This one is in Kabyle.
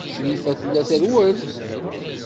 Crifa tella trewwel.